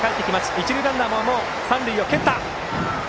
一塁ランナーも三塁を蹴った。